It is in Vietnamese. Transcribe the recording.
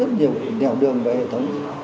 rất nhiều đèo đường và hệ thống